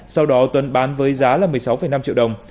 sau đó tuấn bán với giá là một mươi sáu năm triệu đồng